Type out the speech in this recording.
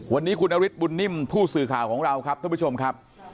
วันนี้คุณนฤทธบุญนิ่มผู้สื่อข่าวของเราครับท่านผู้ชมครับ